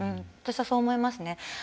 私は、そう思いますね。